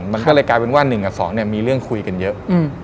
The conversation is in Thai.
มันก็เลยกลายเป็นว่า๑กับ๒มีเรื่องคุยกันเยอะ